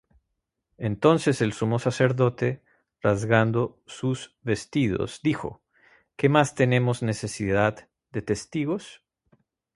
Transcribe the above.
Entonces el sumo sacerdote, rasgando sus vestidos, dijo: ¿Qué más tenemos necesidad de testigos?